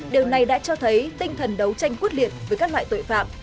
điều này đã cho thấy tinh thần đấu tranh quyết liệt với các loại tội phạm